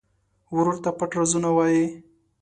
ورور ته پټ رازونه وایې.